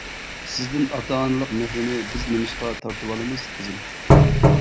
سىزدىن ئاتا-ئانىلىق مېھرىنى بىز نېمىشقا تارتىۋالىمىز قىزىم.